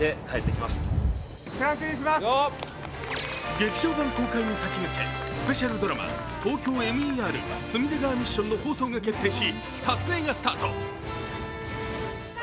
劇場版公開に先駆け、スペシャルドラマ、「ＴＯＫＹＯＭＥＲ隅田川ミッション」の放送が決定し、撮影がスタート。